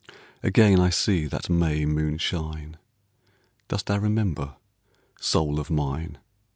Again I see that May moon shine, Dost thou remember, soul of mine?